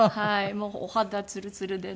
もうお肌ツルツルでね。